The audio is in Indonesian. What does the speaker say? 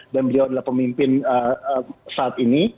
dan beliau adalah pemimpin saat ini